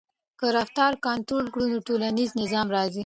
که رفتار کنټرول کړو نو ټولنیز نظم راځي.